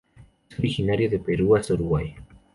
Es originario de Perú hasta Uruguay.